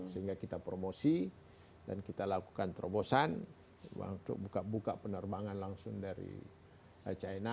sehingga kita promosi dan kita lakukan terobosan untuk buka buka penerbangan langsung dari china